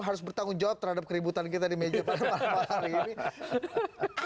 harus bertanggung jawab terhadap keributan kita di meja pada malam hari ini